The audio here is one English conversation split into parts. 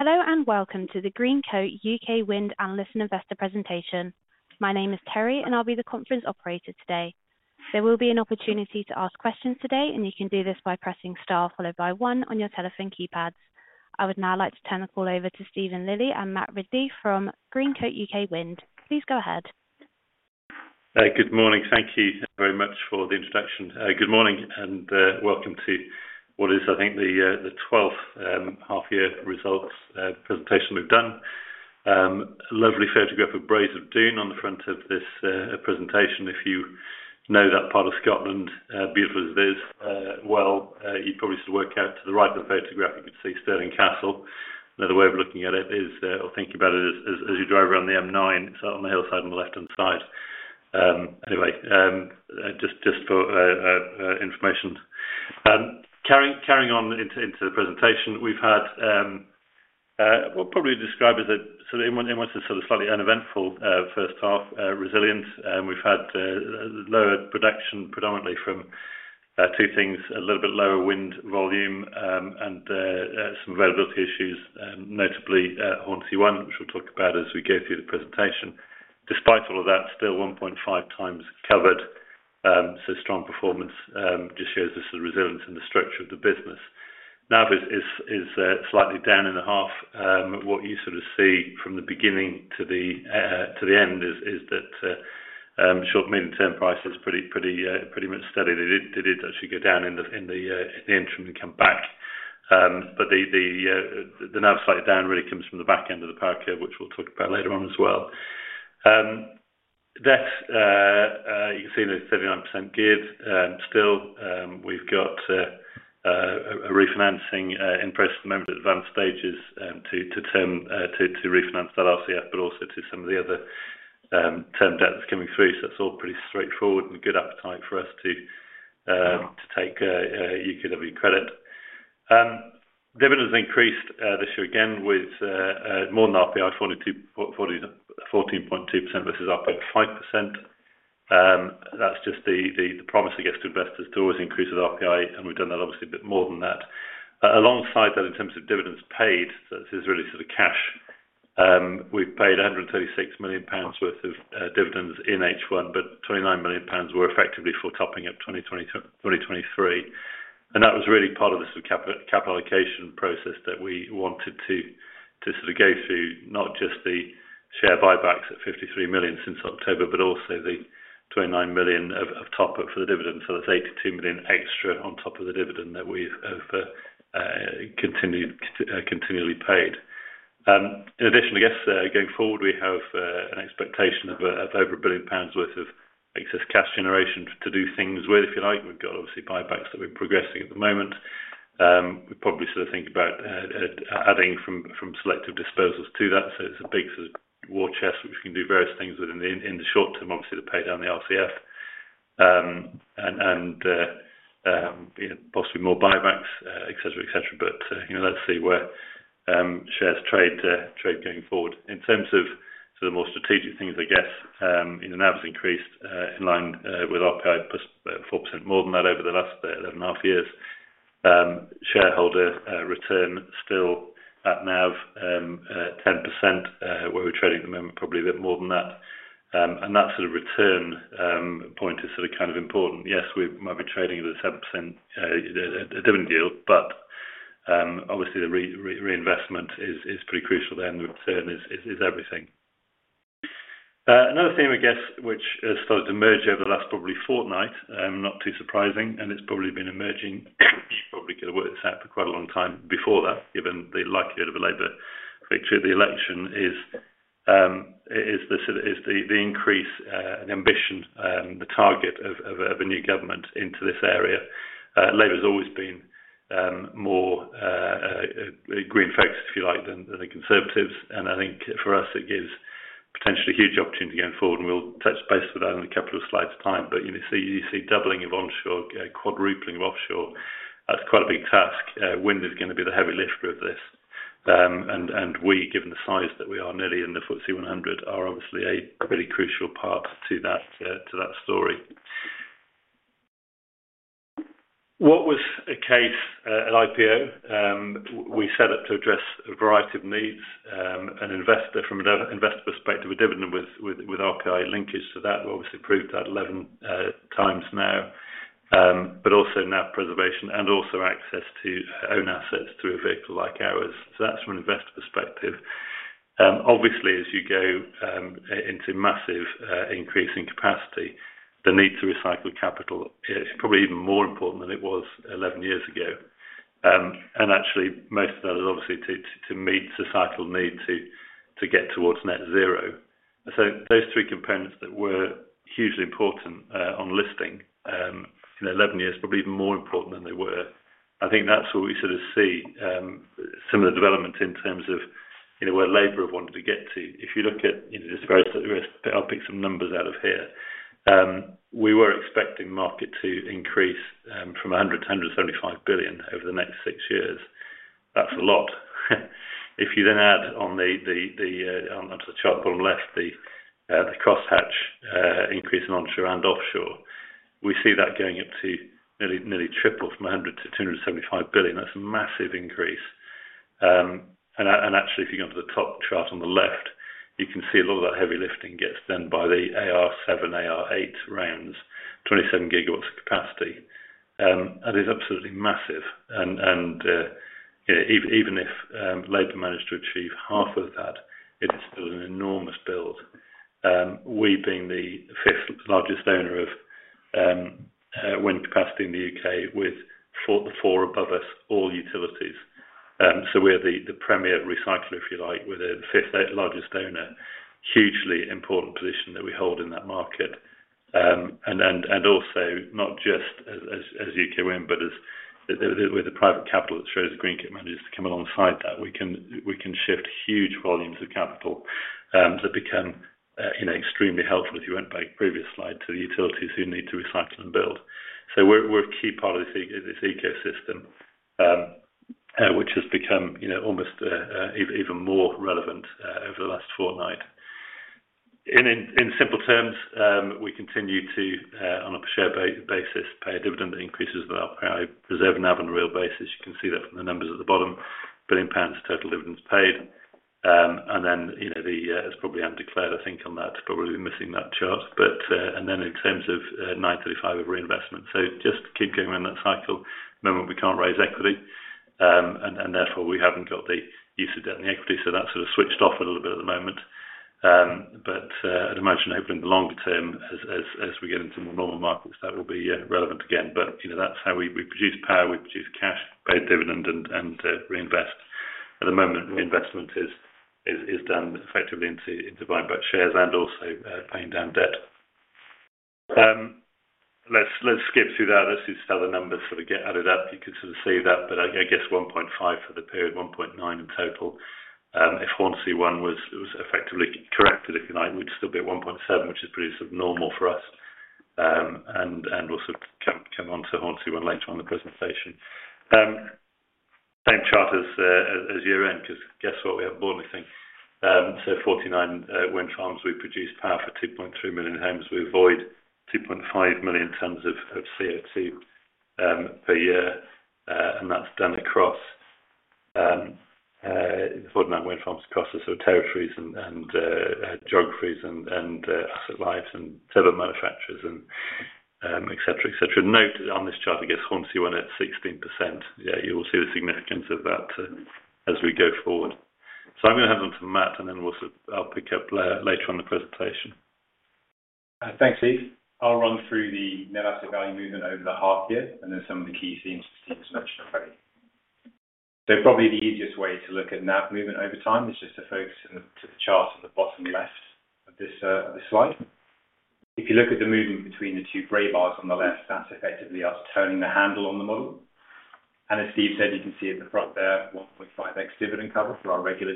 Hello, and welcome to the Greencoat UK Wind Analyst and Investor presentation. My name is Terry, and I'll be the conference operator today. There will be an opportunity to ask questions today, and you can do this by pressing star followed by one on your telephone keypads. I would now like to turn the call over to Stephen Lilley and Matt Ridley from Greencoat UK Wind. Please go ahead. Good morning. Thank you very much for the introduction. Good morning, and welcome to what is, I think, the 12th half-year results presentation we've done. Lovely photograph of Brig o' Doon on the front of this presentation. If you know that part of Scotland, beautiful as it is, well, you probably should work out to the right of the photograph you can see Stirling Castle. Another way of looking at it is, or thinking about it is, as you drive around the M9, it's on the hillside on the left-hand side. Anyway, just for information. Carrying on into the presentation, we've had what I'd probably describe as a sort of, in my sense, sort of slightly uneventful first half, resilience. We've had lower production predominantly from two things: a little bit lower wind volume and some availability issues, notably Hornsea One, which we'll talk about as we go through the presentation. Despite all of that, still 1.5 times covered. So strong performance just shows the sort of resilience and the structure of the business. NAV is slightly down in the half. What you sort of see from the beginning to the end is that short- to medium-term prices pretty much steady. They did actually go down in the interim and come back. But the NAV slightly down really comes from the back end of the power curve, which we'll talk about later on as well. You can see the 39% gearing still. We've got a refinancing in process at the moment. Advanced stages to refinance that RCF, but also to some of the other term debt that's coming through. So that's all pretty straightforward and good appetite for us to take UKW credit. Dividends increased this year again with more than RPI, 42.2% versus RPI 5%. That's just the promise to investors to always increase with RPI, and we've done that obviously a bit more than that. Alongside that, in terms of dividends paid, so this is really sort of cash, we've paid 136 million pounds worth of dividends in H1, but 29 million pounds were effectively for topping up 2023. And that was really part of the sort of capital allocation process that we wanted to sort of go through, not just the share buybacks at 53 million since October, but also the 29 million of top-up for the dividend. So that's 82 million extra on top of the dividend that we've continually paid. In addition, I guess going forward, we have an expectation of over 1 billion pounds worth of excess cash generation to do things with, if you like. We've got obviously buybacks that we're progressing at the moment. We probably sort of think about adding from selective disposals to that. So it's a big sort of war chest, which can do various things within the short term, obviously to pay down the RCF and possibly more buybacks, etc., etc. But let's see where shares trade going forward. In terms of sort of more strategic things, I guess, the NAV has increased in line with RPI by 4% more than that over the last 11 and a half years. Shareholder return still at NAV 10%, where we're trading at the moment, probably a bit more than that. And that sort of return point is sort of kind of important. Yes, we might be trading at a 7% dividend yield, but obviously the reinvestment is pretty crucial there, and the return is everything. Another thing, I guess, which has started to emerge over the last probably fortnight, not too surprising, and it's probably been emerging, probably going to work this out for quite a long time before that, given the likelihood of a Labour victory at the election, is the increase and ambition, the target of a new government into this area. Labour has always been more green-focused, if you like, than the Conservatives. I think for us, it gives potentially a huge opportunity going forward, and we'll touch base with that in a couple of slides' time. You see doubling of onshore, quadrupling of offshore, that's quite a big task. Wind is going to be the heavy lifter of this. We, given the size that we are nearly in the FTSE 100, are obviously a pretty crucial part to that story. What was a case at IPO? We set up to address a variety of needs. An investor, from an investor perspective, a dividend with RPI linkage to that, obviously proved that 11 times now, but also NAV preservation and also access to own assets through a vehicle like ours. That's from an investor perspective. Obviously, as you go into massive increase in capacity, the need to recycle capital is probably even more important than it was 11 years ago. Actually, most of that is obviously to meet societal need to get towards net zero. Those three components that were hugely important on listing in 11 years are probably even more important than they were. I think that's what we sort of see, some of the development in terms of where Labour have wanted to get to. If you look at, I'll pick some numbers out of here. We were expecting market to increase from 100 billion-175 billion over the next 6 years. That's a lot. If you then add on the, onto the chart bottom left, the cross-hatch increase in onshore and offshore, we see that going up to nearly triple from 100 billion-275 billion. That's a massive increase. And actually, if you go onto the top chart on the left, you can see a lot of that heavy lifting gets done by the AR7, AR8 rounds, 27 GW of capacity. That is absolutely massive. And even if Labour managed to achieve half of that, it is still an enormous build. We being the fifth largest owner of wind capacity in the U.K., with the 4 above us, all utilities. So we're the premier recycler, if you like, we're the fifth largest owner. Hugely important position that we hold in that market. And also, not just as UK Wind, but with the private capital that shows that Greencoat manages to come alongside that, we can shift huge volumes of capital that become extremely helpful, if you went back to the previous slide, to the utilities who need to recycle and build. So we're a key part of this ecosystem, which has become almost even more relevant over the last fortnight. In simple terms, we continue to, on a share basis, pay a dividend that increases with RPI. Preserve NAV on a real basis, you can see that from the numbers at the bottom, 1 billion pounds total dividends paid. Then it's probably undeclared, I think, on that. Probably missing that chart. Then in terms of 935 of reinvestment. Just keep going around that cycle. At the moment, we can't raise equity, and therefore we haven't got the use of debt in the equity. That's sort of switched off a little bit at the moment. But I'd imagine, hopefully in the longer term, as we get into more normal markets, that will be relevant again. That's how we produce power, we produce cash, pay dividend, and reinvest. At the moment, reinvestment is done effectively into buying back shares and also paying down debt. Let's skip through that. Let's just have the numbers sort of get added up. You can sort of see that. I guess 1.5 for the period, 1.9 in total. If Hornsea One was effectively corrected, if you like, we'd still be at 1.7, which is pretty sort of normal for us. And we'll sort of come onto Hornsea One later on in the presentation. Same chart as year-end, because guess what we have bought, I think. So 49 wind farms, we produce power for 2.3 million homes. We avoid 2.5 million tons of CO2 per year. And that's done across 49 wind farms, across the sort of territories and geographies and asset lives and turbo manufacturers, etc., etc. Note on this chart, I guess Hornsea One at 16%. You will see the significance of that as we go forward. So I'm going to hand on to Matt, and then I'll pick up later on in the presentation. Thanks, Steve. I'll run through the net asset value movement over the half year and then some of the key themes that Steve has mentioned already. Probably the easiest way to look at NAV movement over time is just to focus on the chart on the bottom left of this slide. If you look at the movement between the two gray bars on the left, that's effectively us turning the handle on the model. As Steve said, you can see at the front there, 1.5x dividend cover for our regular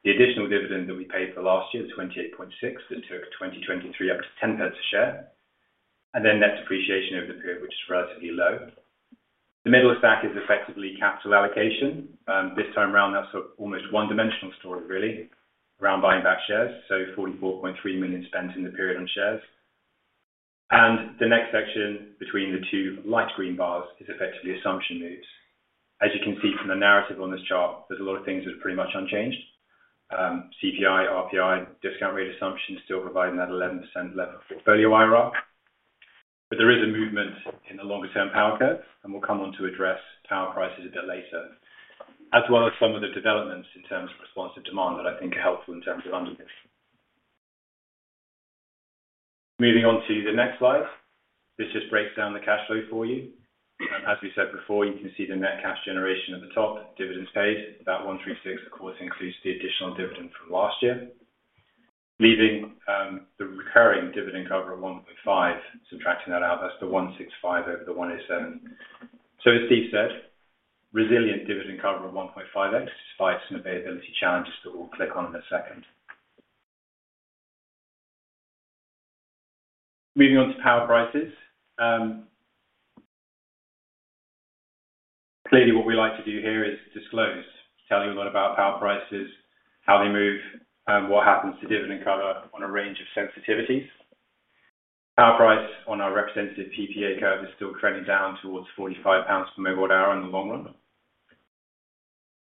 dividend. The additional dividend that we paid for last year, the 2.86, that took 2023 up to 0.10 a share. Then net depreciation over the period, which is relatively low. The middle stack is effectively capital allocation. This time around, that's almost one-dimensional story, really, around buying back shares. So 44.3 million spent in the period on shares. The next section between the two light green bars is effectively assumption moves. As you can see from the narrative on this chart, there's a lot of things that are pretty much unchanged. CPI, RPI, discount rate assumption still providing that 11% level portfolio IRR. But there is a movement in the longer-term power curve, and we'll come on to address power prices a bit later, as well as some of the developments in terms of response to demand that I think are helpful in terms of undertaking. Moving on to the next slide. This just breaks down the cash flow for you. As we said before, you can see the net cash generation at the top, dividends paid, about 136 million, of course, includes the additional dividend from last year. Leaving the recurring dividend cover of 1.5, subtracting that out, that's the 165 over the 107. So as Steve said, resilient dividend cover of 1.5x, despite some availability challenges that we'll click on in a second. Moving on to power prices. Clearly, what we like to do here is disclose, tell you a lot about power prices, how they move, and what happens to dividend cover on a range of sensitivities. Power price on our representative PPA curve is still trending down towards 45 pounds/MWh in the long run.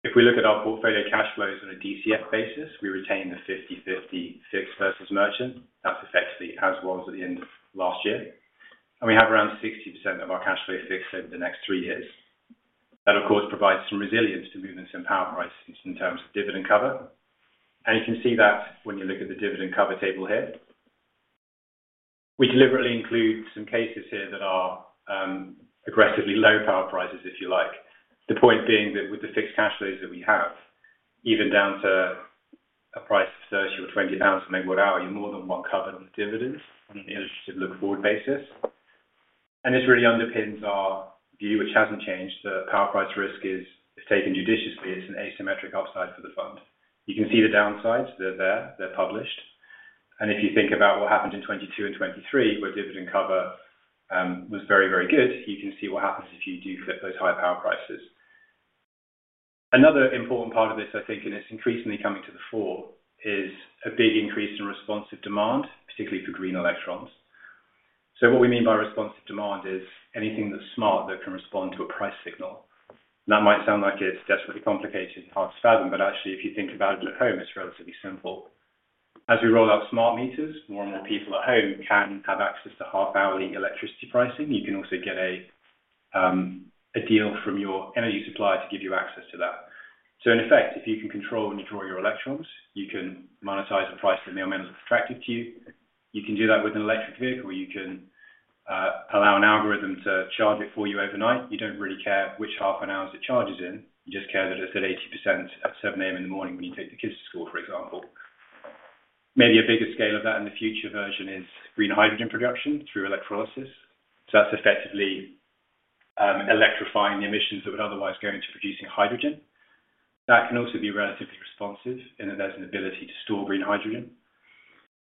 If we look at our portfolio cash flows on a DCF basis, we retain the 50/50 fixed versus merchant. That's effectively as well as at the end of last year. And we have around 60% of our cash flow fixed over the next three years. That, of course, provides some resilience to movements in power prices in terms of dividend cover. And you can see that when you look at the dividend cover table here. We deliberately include some cases here that are aggressively low power prices, if you like. The point being that with the fixed cash flows that we have, even down to a price of 30 or 20 pounds per MWh, you're more than one covered with dividends on an illustrative look-forward basis. And this really underpins our view, which hasn't changed. The power price risk is taken judiciously. It's an asymmetric upside for the fund. You can see the downsides. They're there. They're published. And if you think about what happened in 2022 and 2023, where dividend cover was very, very good, you can see what happens if you do flip those high power prices. Another important part of this, I think, and it's increasingly coming to the fore, is a big increase in responsive demand, particularly for green electrons. So what we mean by responsive demand is anything that's smart that can respond to a price signal. That might sound like it's desperately complicated and hard to fathom, but actually, if you think about it at home, it's relatively simple. As we roll out smart meters, more and more people at home can have access to half-hourly electricity pricing. You can also get a deal from your energy supplier to give you access to that. So in effect, if you can control when you draw your electrons, you can monetize the price that matters is attractive to you. You can do that with an electric vehicle. You can allow an algorithm to charge it for you overnight. You don't really care which half an hour it charges in. You just care that it's at 80% at 7:00 A.M. in the morning when you take the kids to school, for example. Maybe a bigger scale of that in the future version is green hydrogen production through electrolysis. So that's effectively electrifying the emissions that would otherwise go into producing hydrogen. That can also be relatively responsive in that there's an ability to store green hydrogen.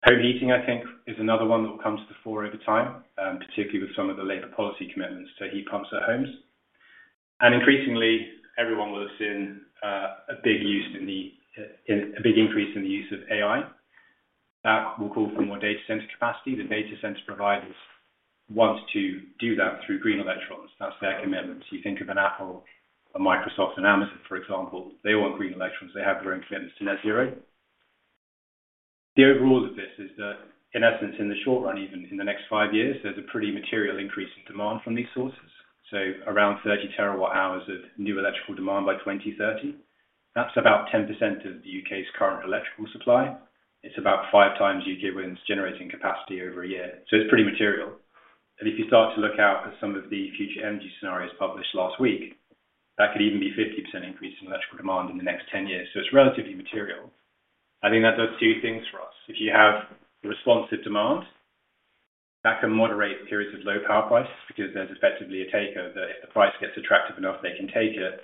Home heating, I think, is another one that will come to the fore over time, particularly with some of the labor policy commitments to heat pumps at homes. And increasingly, everyone will have seen a big increase in the use of AI. That will call for more data center capacity. The data center providers want to do that through green electrons. That's their commitment. So you think of an Apple, a Microsoft, and Amazon, for example. They want green electrons. They have their own commitments to net zero. The overall of this is that, in essence, in the short run, even in the next five years, there's a pretty material increase in demand from these sources. So around 30 TWh of new electrical demand by 2030. That's about 10% of the U.K.'s current electrical supply. It's about five times U.K. Wind's generating capacity over a year. So it's pretty material. And if you start to look out at some of the future energy scenarios published last week, that could even be a 50% increase in electrical demand in the next 10 years. So it's relatively material. I think that does two things for us. If you have responsive demand, that can moderate periods of low power prices because there's effectively a takeover that if the price gets attractive enough, they can take it.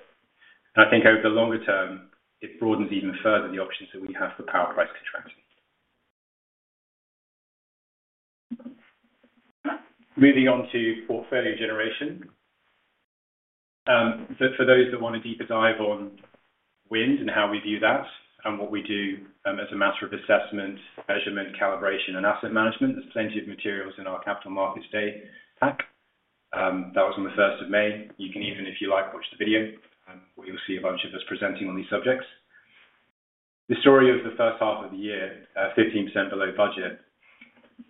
And I think over the longer term, it broadens even further the options that we have for power price contraction. Moving on to portfolio generation. For those that want a deeper dive on wind and how we view that and what we do as a matter of assessment, measurement, calibration, and asset management, there's plenty of materials in our Capital Markets Day pack. That was on the 1st of May. You can even, if you like, watch the video, where you'll see a bunch of us presenting on these subjects. The story of the first half of the year, 15% below budget.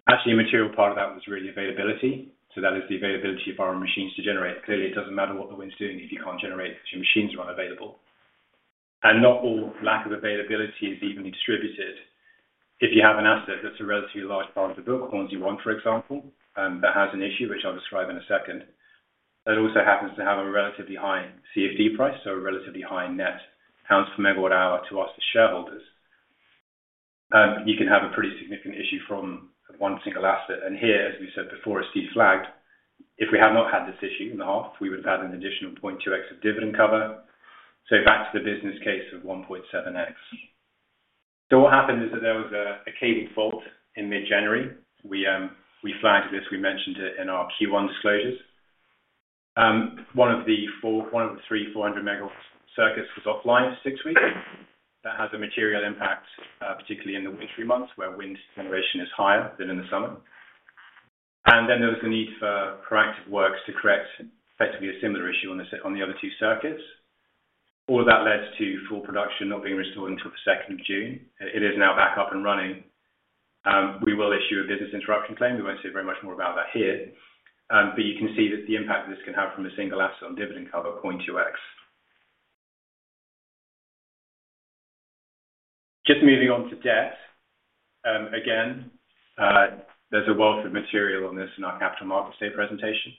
Actually, a material part of that was really availability. So that is the availability of our machines to generate. Clearly, it doesn't matter what the wind's doing if you can't generate because your machines aren't available. Not all lack of availability is evenly distributed. If you have an asset that's a relatively large part of the book ones you want, for example, that has an issue, which I'll describe in a second, that also happens to have a relatively high CFD price, so a relatively high net pounds per megawatt hour to us as shareholders, you can have a pretty significant issue from one single asset. Here, as we said before, as Steve flagged, if we had not had this issue in the half, we would have had an additional 0.2x of dividend cover. Back to the business case of 1.7x. What happened is that there was a cable fault in mid-January. We flagged this. We mentioned it in our Q1 disclosures. One of the three 400 MW circuits was offline for six weeks. That has a material impact, particularly in the wintry months where wind generation is higher than in the summer. And then there was the need for proactive works to correct effectively a similar issue on the other two circuits. All of that led to full production not being restored until the 2nd of June. It is now back up and running. We will issue a business interruption claim. We won't see very much more about that here. But you can see that the impact this can have from a single asset on dividend cover of 0.2x. Just moving on to debt. Again, there's a wealth of material on this in our Capital Markets Day presentation.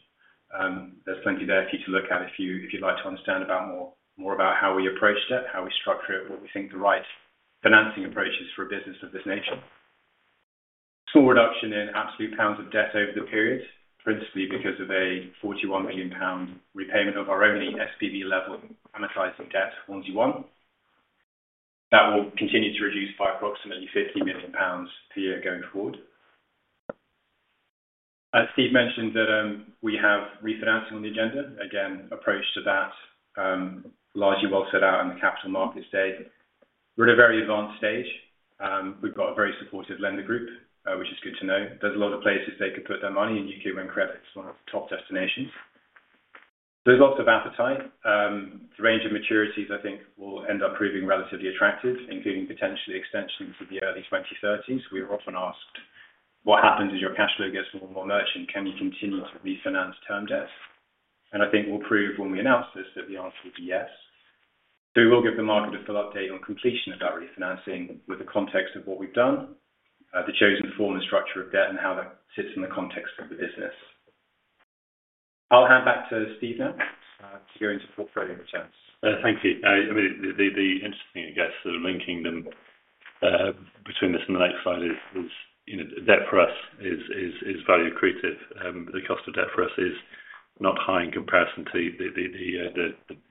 There's plenty there for you to look at if you'd like to understand more about how we approach debt, how we structure it, what we think the right financing approach is for a business of this nature. Small reduction in absolute pounds of debt over the period, principally because of a 41 million pound repayment of our only SPV level amortizing debt, Hornsea One. That will continue to reduce by approximately 50 million pounds per year going forward. As Steve mentioned, we have refinancing on the agenda. Again, approach to that largely well set out in the Capital Markets Day. We're at a very advanced stage. We've got a very supportive lender group, which is good to know. There's a lot of places they could put their money in UK Wind Credits, one of the top destinations. There's lots of appetite. The range of maturities, I think, will end up proving relatively attractive, including potentially extensions to the early 2030s. We are often asked, what happens if your cash flow gets more and more merchant? Can you continue to refinance term debts? And I think we'll prove when we announce this that the answer will be yes. So we will give the market a full update on completion of that refinancing with the context of what we've done, the chosen form and structure of debt, and how that sits in the context of the business. I'll hand back to Steve now to go into portfolio returns. Thank you. I mean, the interesting, I guess, linking theme between this and the next slide is debt for us is value accretive. The cost of debt for us is not high in comparison to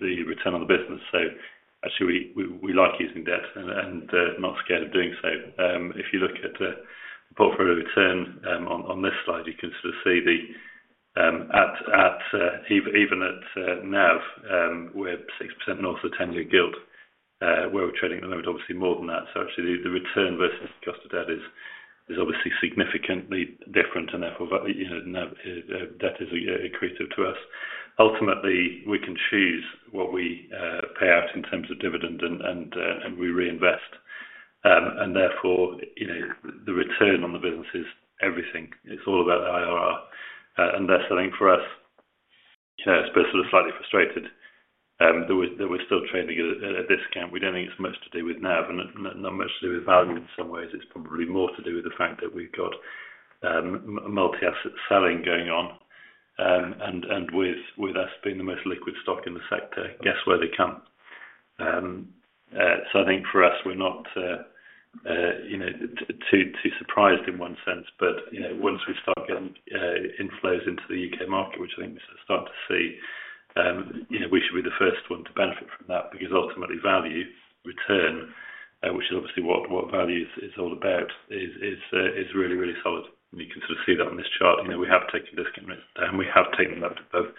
the return on the business. So actually, we like using debt and not scared of doing so. If you look at the portfolio return on this slide, you can sort of see that even at NAV, we're 6% north of 10-year gilt. We're trading at the moment, obviously, more than that. So actually, the return versus the cost of debt is obviously significantly different, and therefore, debt is accretive to us. Ultimately, we can choose what we pay out in terms of dividend, and we reinvest. Therefore, the return on the business is everything. It's all about the IRR. That's, I think, for us, we're sort of slightly frustrated that we're still trading at a discount. We don't think it's much to do with NAV and not much to do with value in some ways. It's probably more to do with the fact that we've got multi-asset selling going on. With us being the most liquid stock in the sector, guess where they come. So I think for us, we're not too surprised in one sense. But once we start getting inflows into the UK market, which I think we start to see, we should be the first one to benefit from that because ultimately, value return, which is obviously what value is all about, is really, really solid. You can sort of see that on this chart. We have taken discount rates, and we have taken them up to both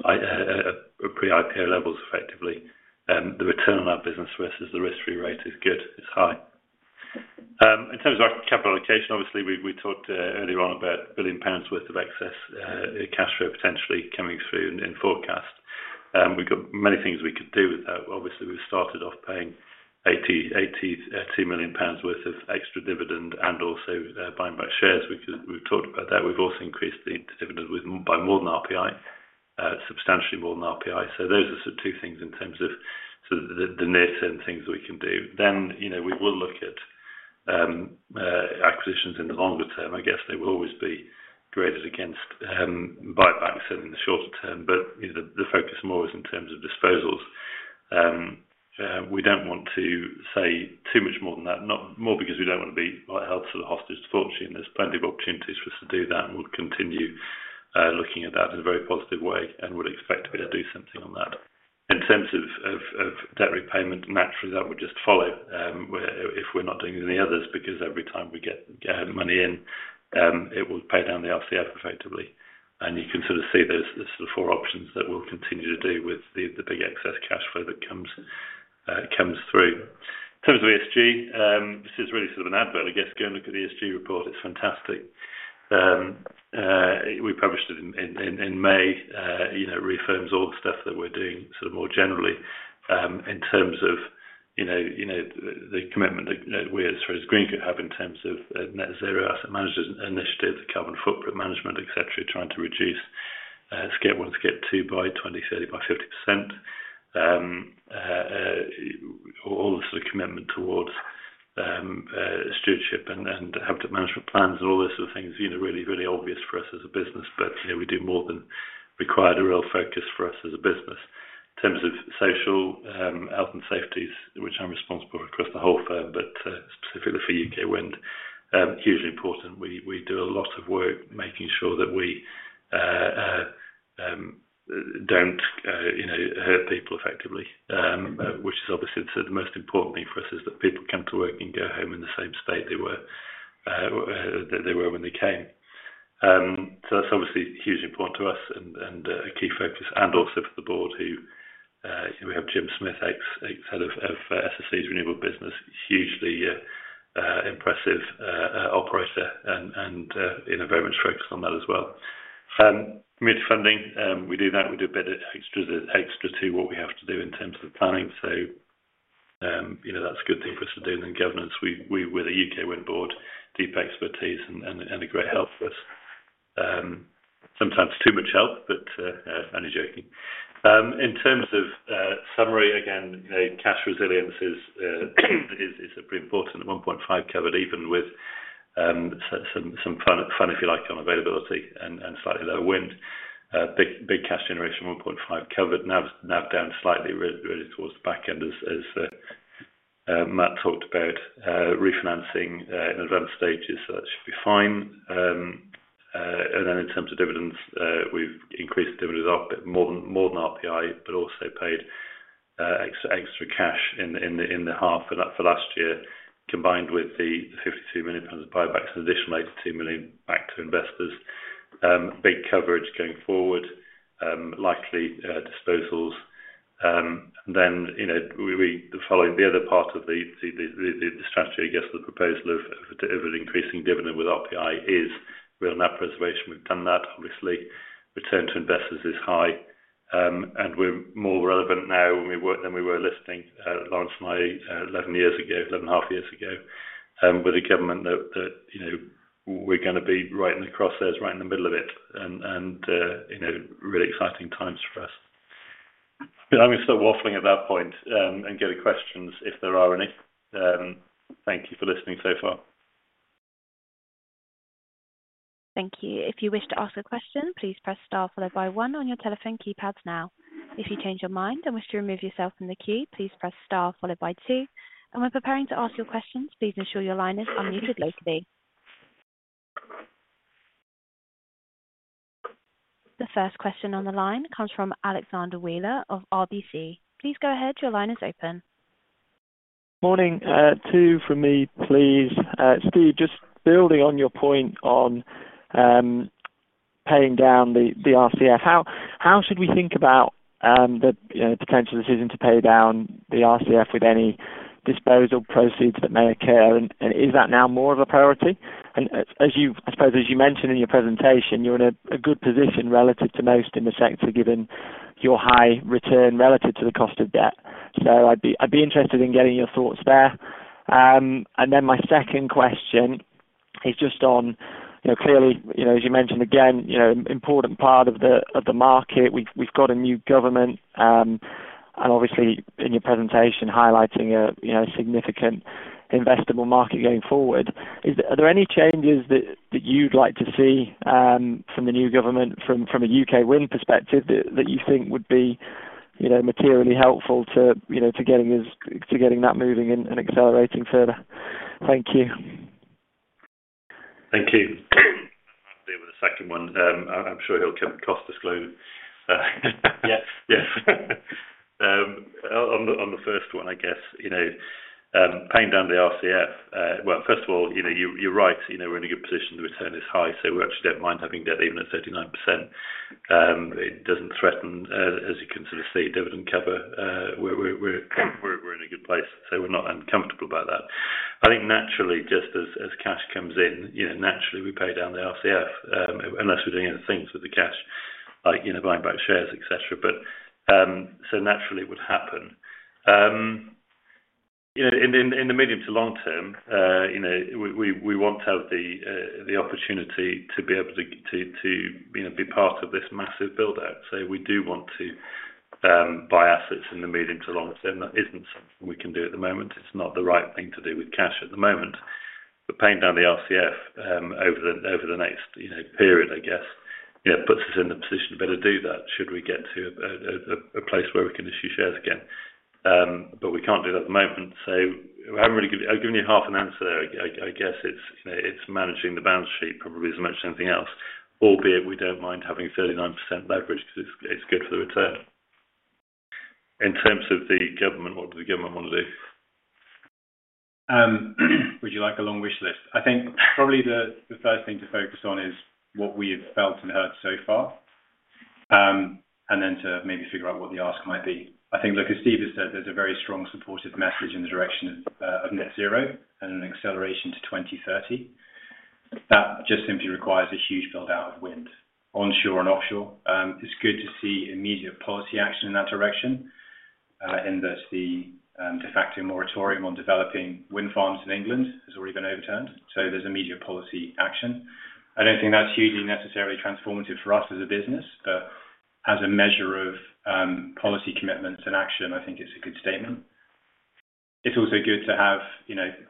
pre-IPO levels, effectively. The return on our business versus the risk-free rate is good. It's high. In terms of our capital allocation, obviously, we talked earlier on about 1 billion pounds worth of excess cash flow potentially coming through in forecast. We've got many things we could do with that. Obviously, we've started off paying 82 million pounds worth of extra dividend and also buying back shares. We've talked about that. We've also increased the dividend by more than RPI, substantially more than RPI. So those are sort of two things in terms of sort of the near-term things that we can do. Then we will look at acquisitions in the longer term. I guess they will always be graded against buybacks in the shorter term. But the focus more is in terms of disposals. We don't want to say too much more than that, more because we don't want to be held sort of hostage to fortune. There's plenty of opportunities for us to do that, and we'll continue looking at that in a very positive way and would expect to be able to do something on that. In terms of debt repayment, naturally, that would just follow if we're not doing any others because every time we get money in, it will pay down the RCF effectively. You can sort of see there's sort of 4 options that we'll continue to do with the big excess cash flow that comes through. In terms of ESG, this is really sort of an advert, I guess. Go and look at the ESG report. It's fantastic. We published it in May. It reaffirms all the stuff that we're doing sort of more generally in terms of the commitment that we as Greencoat have in terms of Net Zero Asset Managers Initiative, the carbon footprint management, etc., trying to reduce Scope 1, Scope 2 by 20%-30%, by 50%. All the sort of commitment towards stewardship and habitat management plans and all those sort of things are really, really obvious for us as a business. But we do more than required, a real focus for us as a business. In terms of social, health, and safety, which I'm responsible for across the whole firm, but specifically for UK Wind, hugely important. We do a lot of work making sure that we don't hurt people effectively, which is obviously the most important thing for us, is that people come to work and go home in the same state they were when they came. So that's obviously hugely important to us and a key focus, and also for the board who we have Jim Smith, ex-head of SSE's renewable business, hugely impressive operator and very much focused on that as well. Community funding, we do that. We do a bit extra to what we have to do in terms of planning. So that's a good thing for us to do. And then governance, we have a UK Wind board, deep expertise and a great help for us. Sometimes too much help, but only joking. In terms of summary, again, cash resilience is pretty important at 1.5 covered, even with some fun, if you like, on availability and slightly lower wind. Big cash generation, 1.5 covered. Now down slightly really towards the back end, as Matt talked about, refinancing in advanced stages, so that should be fine. And then in terms of dividends, we've increased the dividends up more than RPI, but also paid extra cash in the half for last year, combined with the 52 million pounds buybacks and additional 82 million back to investors. Big coverage going forward, likely disposals. And then the other part of the strategy, I guess, the proposal of an increasing dividend with RPI is real net preservation. We've done that, obviously. Return to investors is high. And we're more relevant now than we were listing, Laurence and I, 11 years ago, 11 and a half years ago, with a government that we're going to be right in the crosshairs, right in the middle of it. And really exciting times for us. I'm going to stop waffling at that point and get to questions if there are any. Thank you for listing so far. Thank you. If you wish to ask a question, please press star followed by one on your telephone keypads now. If you change your mind and wish to remove yourself from the queue, please press star followed by two. And when preparing to ask your questions, please ensure your line is unmuted locally. The first question on the line comes from Alexander Wheeler of RBC. Please go ahead. Your line is open. Morning. Two from me, please. Steve, just building on your point on paying down the RCF, how should we think about the potential decision to pay down the RCF with any disposal proceeds that may occur? And is that now more of a priority? And I suppose as you mentioned in your presentation, you're in a good position relative to most in the sector given your high return relative to the cost of debt. So I'd be interested in getting your thoughts there. And then my second question is just on clearly, as you mentioned, again, an important part of the market. We've got a new government, and obviously, in your presentation, highlighting a significant investable market going forward. Are there any changes that you'd like to see from the new government, from a UK Wind perspective, that you think would be materially helpful to getting that moving and accelerating further? Thank you. Thank you. I'll deal with the second one. I'm sure he'll come across disclosure. Yes. On the first one, I guess, paying down the RCF, well, first of all, you're right. We're in a good position. The return is high, so we actually don't mind having debt even at 39%. It doesn't threaten, as you can sort of see, dividend cover. We're in a good place, so we're not uncomfortable about that. I think naturally, just as cash comes in, naturally, we pay down the RCF unless we're doing other things with the cash, like buying back shares, etc. So naturally, it would happen. In the medium to long term, we want to have the opportunity to be able to be part of this massive build-out. So we do want to buy assets in the medium to long term. That isn't something we can do at the moment. It's not the right thing to do with cash at the moment. But paying down the RCF over the next period, I guess, puts us in the position to better do that should we get to a place where we can issue shares again. But we can't do that at the moment. So I've given you half an answer there. I guess it's managing the balance sheet probably as much as anything else, albeit we don't mind having 39% leverage because it's good for the return. In terms of the government, what does the government want to do? Would you like a long wish list? I think probably the first thing to focus on is what we've felt and heard so far, and then to maybe figure out what the ask might be. I think, like Steve has said, there's a very strong supportive message in the direction of net zero and an acceleration to 2030. That just simply requires a huge build-out of wind onshore and offshore. It's good to see immediate policy action in that direction in that the de facto moratorium on developing wind farms in England has already been overturned. So there's immediate policy action. I don't think that's hugely necessarily transformative for us as a business, but as a measure of policy commitments and action, I think it's a good statement. It's also good to have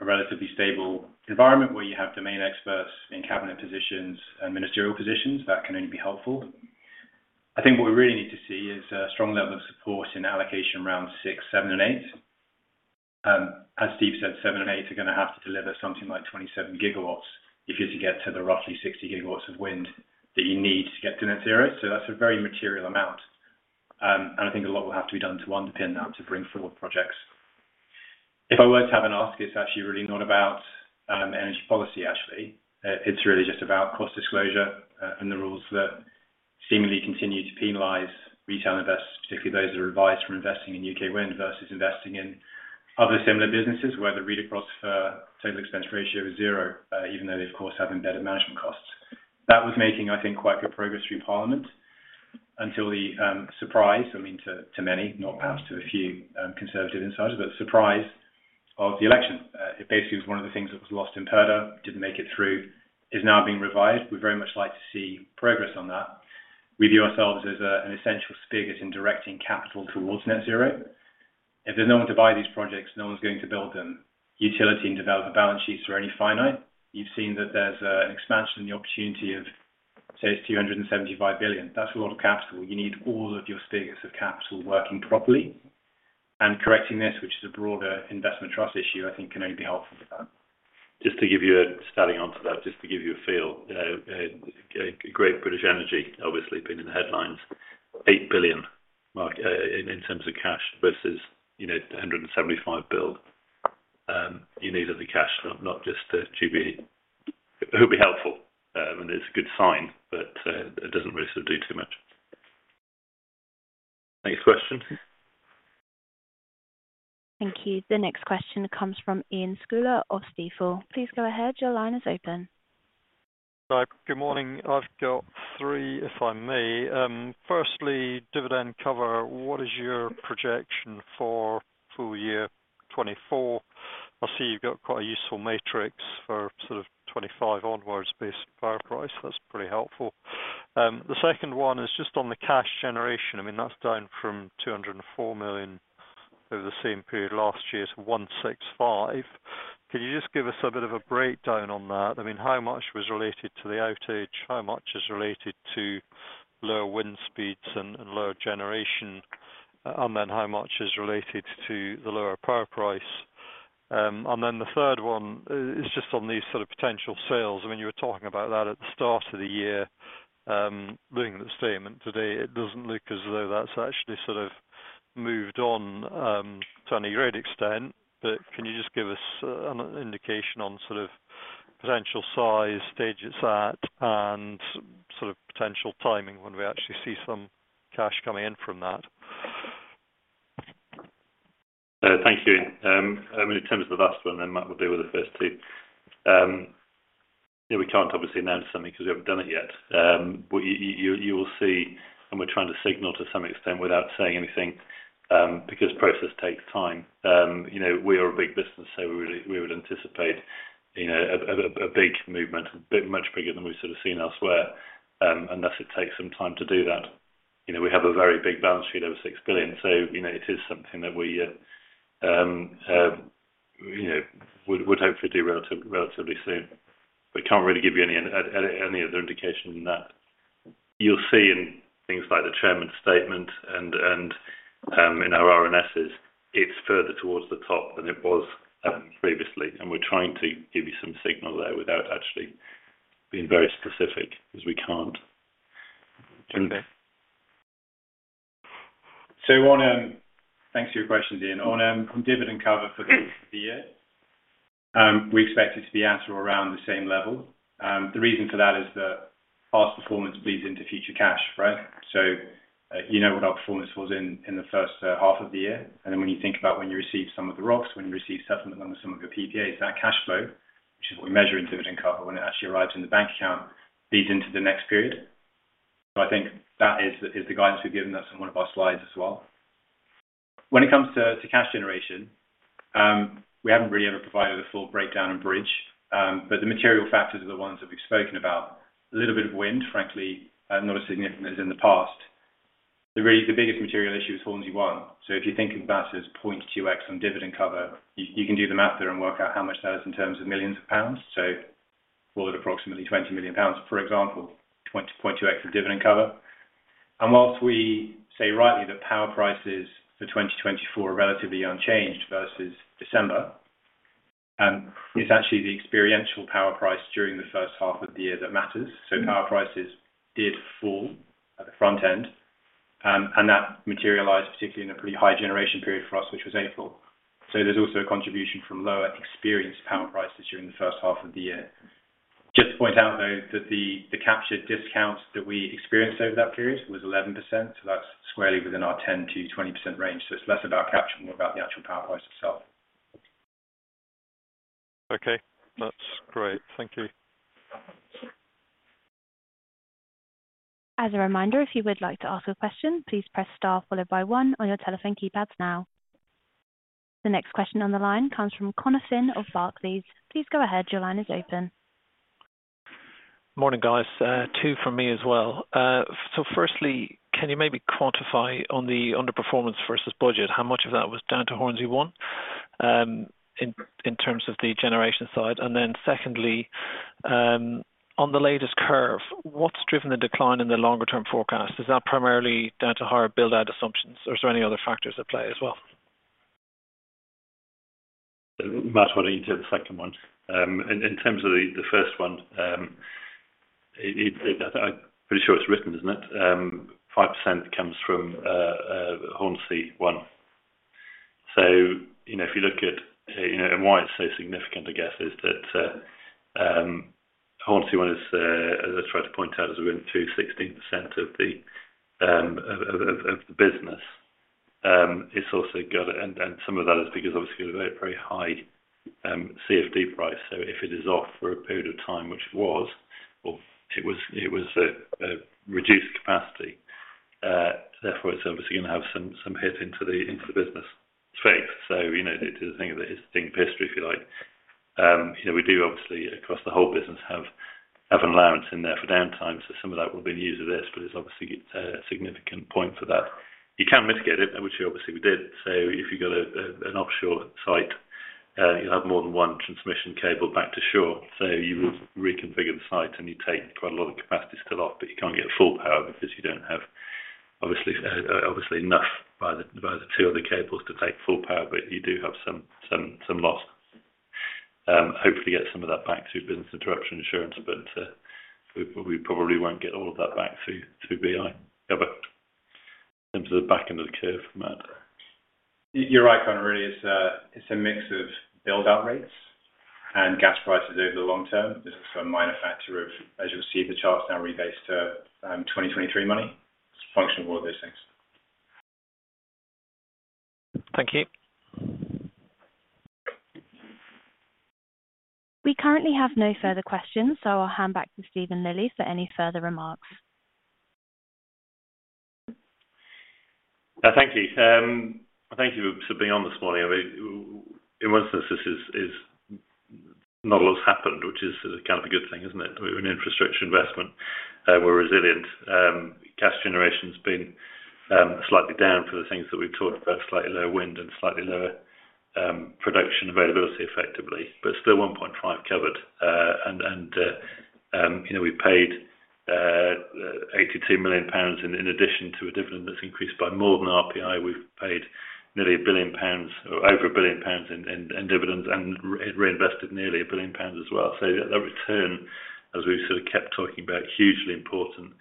a relatively stable environment where you have domain experts in cabinet positions and ministerial positions. That can only be helpful. I think what we really need to see is a strong level of support in Allocation Round six, seven, and eight. As Steve said, seven and eight are going to have to deliver something like 27 GW if you're to get to the roughly 60 GW of wind that you need to get to net zero. So that's a very material amount. And I think a lot will have to be done to underpin that to bring forward projects. If I were to have an ask, it's actually really not about energy policy, actually. It's really just about cost disclosure and the rules that seemingly continue to penalize retail investors, particularly those that are advised from investing in UK Wind versus investing in other similar businesses where the read across for total expense ratio is 0, even though they, of course, have embedded management costs. That was making, I think, quite good progress through Parliament until the surprise, I mean, to many, not perhaps to a few Conservative insiders, but surprise of the election. It basically was one of the things that was lost in Purdah, didn't make it through, is now being revised. We'd very much like to see progress on that. We view ourselves as an essential spigot in directing capital towards net zero. If there's no one to buy these projects, no one's going to build them. Utility and developer balance sheets are only finite. You've seen that there's an expansion in the opportunity of, say, it's 275 billion. That's a lot of capital. You need all of your spigots of capital working properly. And correcting this, which is a broader investment trust issue, I think can only be helpful for that. Just to give you a starting answer to that, just to give you a feel, Great British Energy, obviously, been in the headlines, 8 billion in terms of cash versus 175 billion. You need other cash, not just GBE. It would be helpful, and it's a good sign, but it doesn't really sort of do too much. Next question. Thank you. The next question comes from Iain Scouller of Stifel. Please go ahead. Your line is open. Hi. Good morning. I've got three, if I may. Firstly, dividend cover, what is your projection for full year 2024? I see you've got quite a useful matrix for sort of 2025 onwards based on power price. That's pretty helpful. The second one is just on the cash generation. I mean, that's down from 204 million over the same period last year to 165 million. Can you just give us a bit of a breakdown on that? I mean, how much was related to the outage? How much is related to lower wind speeds and lower generation? And then how much is related to the lower power price? And then the third one is just on these sort of potential sales. I mean, you were talking about that at the start of the year. Looking at the statement today, it doesn't look as though that's actually sort of moved on to any great extent. But can you just give us an indication on sort of potential size, stage it's at, and sort of potential timing when we actually see some cash coming in from that? Thank you. I mean, in terms of the last one, then Matt will deal with the first two. We can't obviously announce something because we haven't done it yet. But you will see, and we're trying to signal to some extent without saying anything because process takes time. We are a big business, so we would anticipate a big movement, much bigger than we've sort of seen elsewhere. Unless it takes some time to do that, we have a very big balance sheet over 6 billion. So it is something that we would hopefully do relatively soon. But I can't really give you any other indication than that. You'll see in things like the chairman's statement and in our RNSs, it's further towards the top than it was previously. And we're trying to give you some signal there without actually being very specific because we can't. Okay. So thanks for your question, Ian. On dividend cover for the year, we expect it to be at or around the same level. The reason for that is that past performance bleeds into future cash, right? So you know what our performance was in the first half of the year. And then when you think about when you receive some of the ROCs, when you receive settlement numbers, some of your PPAs, that cash flow, which is what we measure in dividend cover when it actually arrives in the bank account, bleeds into the next period. So I think that is the guidance we've given us on one of our slides as well. When it comes to cash generation, we haven't really ever provided a full breakdown and bridge. But the material factors are the ones that we've spoken about. A little bit of wind, frankly, not as significant as in the past. Really, the biggest material issue is Hornsea One. So if you think of that as 0.2x on dividend cover, you can do the math there and work out how much that is in terms of millions of pounds. So we'll add approximately 20 million pounds, for example, 0.2x of dividend cover. And while we say rightly that power prices for 2024 are relatively unchanged versus December, it's actually the experienced power price during the first half of the year that matters. So power prices did fall at the front end. And that materialized particularly in a pretty high generation period for us, which was April. So there's also a contribution from lower experienced power prices during the first half of the year. Just to point out, though, that the capture discount that we experienced over that period was 11%. So that's squarely within our 10%-20% range. So it's less about capture and more about the actual power price itself. Okay. That's great. Thank you. As a reminder, if you would like to ask a question, please press star followed by one on your telephone keypads now. The next question on the line comes from Jonathan of Barclays. Please go ahead. Your line is open. Morning, guys. Two from me as well. So firstly, can you maybe quantify on the underperformance versus budget, how much of that was down to Hornsea One in terms of the generation side? And then secondly, on the latest curve, what's driven the decline in the longer-term forecast? Is that primarily down to higher build-out assumptions, or is there any other factors at play as well? Matt, why don't you take the second one? In terms of the first one, I'm pretty sure it's written, isn't it? 5% comes from Hornsea One. So if you look at why it's so significant, I guess, is that Hornsea One is, as I tried to point out, as we went to 16% of the business. It's also got it, and some of that is because obviously of a very, very high CFD price. So if it is off for a period of time, which it was, it was a reduced capacity. Therefore, it's obviously going to have some hit into the business space. So it's a thing of history if you like. We do obviously, across the whole business, have an allowance in there for downtime. So some of that will be in use of this, but it's obviously a significant point for that. You can mitigate it, which obviously we did. So if you've got an offshore site, you'll have more than one transmission cable back to shore. So you would reconfigure the site, and you take quite a lot of capacity still off, but you can't get full power because you don't have obviously enough via the two other cables to take full power, but you do have some loss. Hopefully, get some of that back through business interruption insurance, but we probably won't get all of that back through BI ever. In terms of the back end of the curve, Matt. Your income really is a mix of build-out rates and gas prices over the long term. There's also a minor factor of, as you'll see in the charts now, rebased to 2023 money. It's a function of all of those things. Thank you. We currently have no further questions, so I'll hand back to Stephen Lilley for any further remarks. Thank you. Thank you for being on this morning. In one sense, not a lot's happened, which is kind of a good thing, isn't it? We're an infrastructure investment. We're resilient. Gas generation's been slightly down for the things that we've talked about, slightly lower wind and slightly lower production availability effectively, but still 1.5 covered. And we've paid 82 million pounds in addition to a dividend that's increased by more than RPI. We've paid nearly 1 billion pounds or over 1 billion pounds in dividends and reinvested nearly 1 billion pounds as well. So that return, as we've sort of kept talking about, hugely important.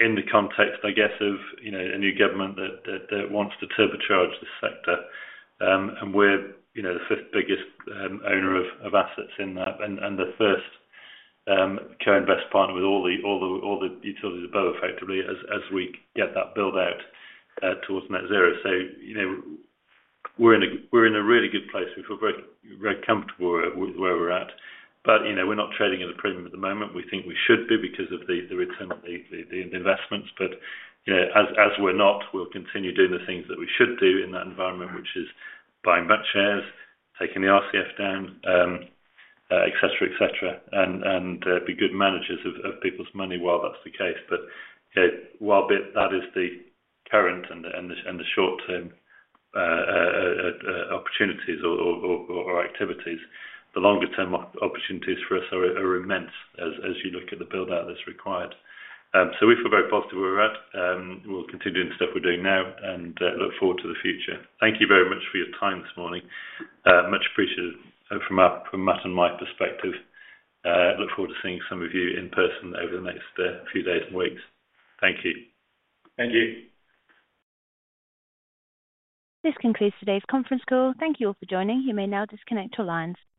In the context, I guess, of a new government that wants to turbocharge the sector, and we're the fifth biggest owner of assets in that and the first co-invest partner with all the utilities above effectively as we get that build-out towards net zero. So we're in a really good place. We feel very comfortable with where we're at. But we're not trading at a premium at the moment. We think we should be because of the return of the investments. But as we're not, we'll continue doing the things that we should do in that environment, which is buying back shares, taking the RCF down, etc., etc., and be good managers of people's money while that's the case. But while that is the current and the short-term opportunities or activities, the longer-term opportunities for us are immense as you look at the build-out that's required. So we feel very positive where we're at. We'll continue doing the stuff we're doing now and look forward to the future. Thank you very much for your time this morning. Much appreciated from Matt and my perspective. Look forward to seeing some of you in person over the next few days and weeks. Thank you. Thank you. This concludes today's conference call. Thank you all for joining. You may now disconnect your lines.